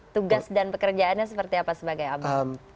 tugas dan pekerjaannya seperti apa sebagai abang